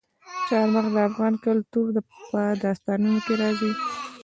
چار مغز د افغان کلتور په داستانونو کې راځي.